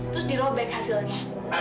terus dirobek hasilnya